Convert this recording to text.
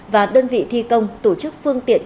và đơn vị thi công tổ chức phương tiện